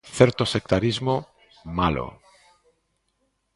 Certo sectarismo, malo.